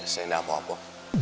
saya tidak apa apa